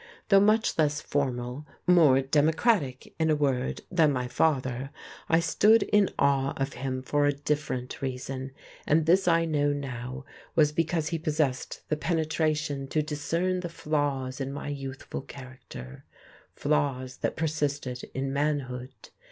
Though much less formal, more democratic in a word than my father, I stood in awe of him for a different reason, and this I know now was because he possessed the penetration to discern the flaws in my youthful character, flaws that persisted in manhood.